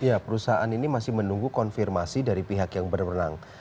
ya perusahaan ini masih menunggu konfirmasi dari pihak yang berwenang